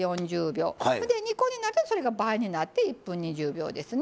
２個になるとそれが倍になって１分２０秒ですね。